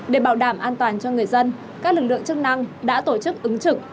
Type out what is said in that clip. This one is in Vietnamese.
để bảo đảm an toàn cho người dân các lực lượng chức năng đã tổ chức ứng trực